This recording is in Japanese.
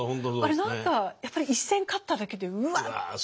あれ何かやっぱり１戦勝っただけでウワッて。